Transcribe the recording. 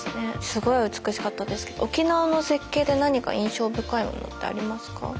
すごい美しかったですけど沖縄の絶景で何か印象深いものってありますか？